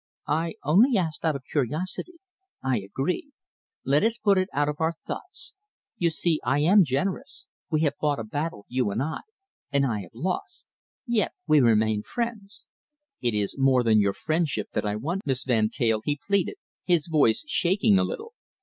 "I only asked out of curiosity. I agree. Let us put it out of our thoughts. You see, I am generous. We have fought a battle, you and I, and I have lost. Yet we remain friends." "It is more than your friendship that I want, Miss Van Teyl," he pleaded, his voice shaking a little.